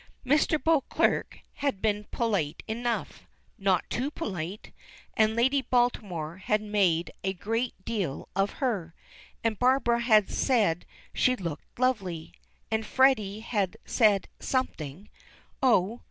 Mr. Beauclerk had been polite enough; not too polite; and Lady Baltimore had made a great deal of her, and Barbara had said she looked lovely, and Freddy had said something, oh!